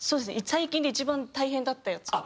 最近で一番大変だったやつを。